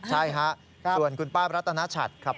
ส่วนคุณป้ารัตนชัดครับ